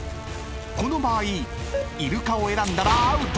［この場合イルカを選んだらアウト］